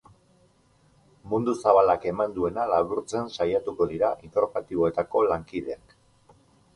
Mundu zabalak eman duena laburtzen saiatuko dira informatiboetako lankideak.